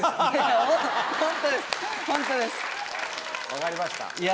分かりました。